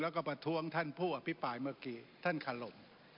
แล้วก็ประท้วงท่านผู้อภิปรายเมื่อกี้ท่านคารม